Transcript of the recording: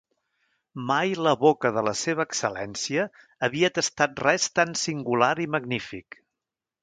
Mai la boca de la seva excel·lència havia tastat res tan singular i magnífic.